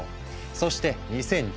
そして２０１６年。